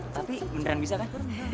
tapi beneran bisa kan